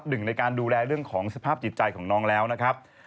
หนึ่งในการดูแลเรื่องของสภาพจิตใจของน้องแล้วนะครับ